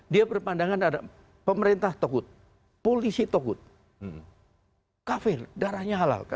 dia berpandangan ada pemerintah takut polisi takut kafir darahnya halal